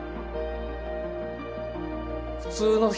普通の人。